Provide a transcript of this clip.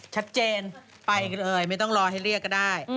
ชัดเจนไปเลยไม่ต้องรอให้เรียกก็ได้